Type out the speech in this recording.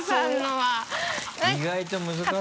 意外と難しいね。